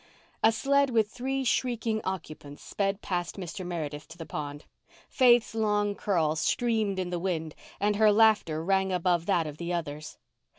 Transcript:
A sled with three shrieking occupants sped past Mr. Meredith to the pond. Faith's long curls streamed in the wind and her laughter rang above that of the others.